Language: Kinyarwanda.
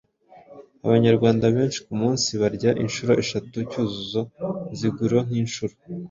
Abanyarwanda benshi ku munsi barya inshuro eshatu. cyuzuzo nziguro k’inshuro